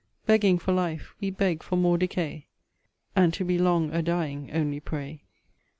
Begging for life, we beg for more decay, And to be long a dying only pray.